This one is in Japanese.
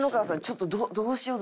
ちょっと「どうしよう？